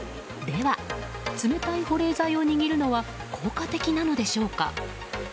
では、冷たい保冷剤を握るのは効果的なのでしょうか。